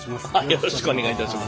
よろしくお願いします。